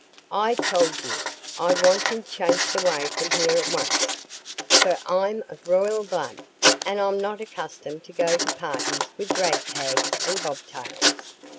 I tell you, I want him chased away from here at once. For I'm of royal blood; and I'm not accustomed to go to parties with ragtags and bobtails.